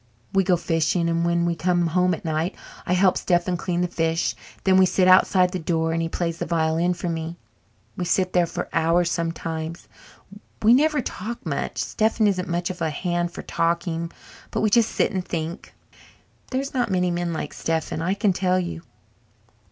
We go fishing, and when we come home at night I help Stephen clean the fish and then we sit outside the door and he plays the violin for me. We sit there for hours sometimes. We never talk much Stephen isn't much of a hand for talking but we just sit and think. There's not many men like Stephen, I can tell you."